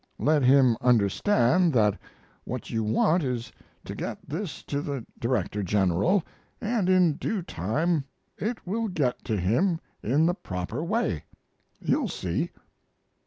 Let him understand that what you want is to get this to the Director General, and in due time it will get to him in the proper way. You'll see."